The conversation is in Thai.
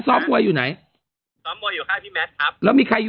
สรุปไม่ใช่